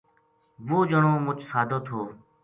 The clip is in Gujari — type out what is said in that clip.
وہ جنو مُچ سادو تھو